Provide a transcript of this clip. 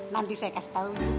nanti saya kasih tau